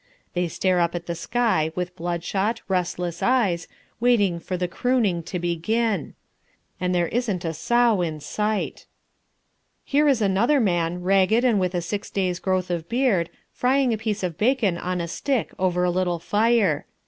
They stare up at the sky with blood shot, restless eyes, waiting for the crooning to begin. And there isn't a sow in sight. Here is another man, ragged and with a six days' growth of beard, frying a piece of bacon on a stick over a little fire.